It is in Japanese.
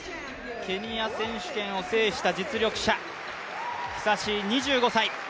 ケニア選手権を制した実力者、キサシー２５歳。